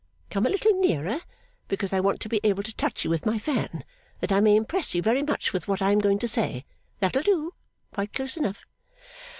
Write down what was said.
Come a little nearer, because I want to be able to touch you with my fan, that I may impress you very much with what I am going to say. That will do. Quite close enough.